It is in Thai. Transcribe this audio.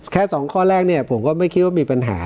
แค่สองข้อแรกเนี่ยผมก็ไม่คิดว่ามีปัญหา